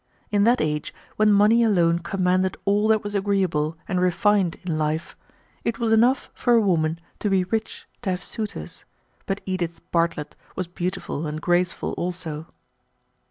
In that age, when money alone commanded all that was agreeable and refined in life, it was enough for a woman to be rich to have suitors; but Edith Bartlett was beautiful and graceful also.